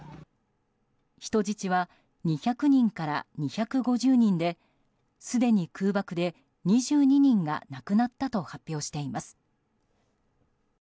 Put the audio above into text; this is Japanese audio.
人質は２００人から２５０人ですでに空爆で２２人が亡くなったと発表しています。